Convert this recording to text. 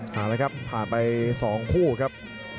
ผ่านแล้วครับผ่านไปสองคู่ครับ